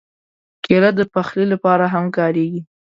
کېله د پخلي لپاره هم کارېږي.